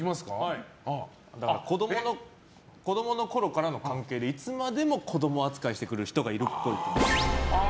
子供のころからの関係でいつまでも子供扱いしてくる人がいるっぽい。